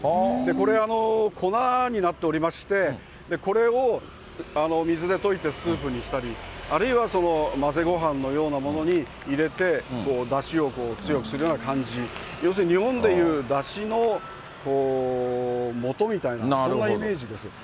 これ、粉になっておりまして、これを水で溶いてスープにしたり、あるいは混ぜごはんのようなものに入れて、だしを強くするような感じ、要するに日本でいうだしのもとみたいな、そんなイメージです。